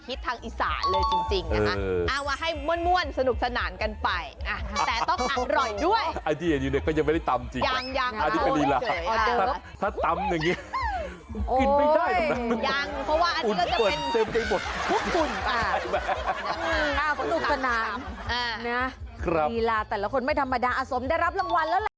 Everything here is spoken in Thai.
กีฬาแต่ละคนไม่ธรรมดาอาสมได้รับรางวัลแล้วล่ะ